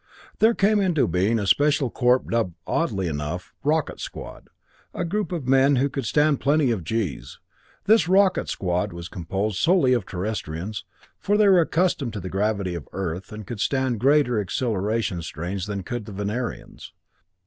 There came into being a special corp dubbed, oddly enough, the "Rocket Squad", a group of men who could stand plenty of "G's". This "Rocket Squad" was composed solely of Terrestrians, for they were accustomed to the gravity of Earth and could stand greater acceleration strains than could the Venerians.